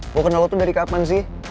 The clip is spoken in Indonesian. aku kenal lo tuh dari kapan sih